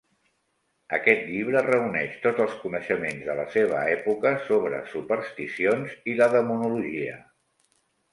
Aquest llibre reuneix tots els coneixements de la seva època sobre supersticions i la demonologia.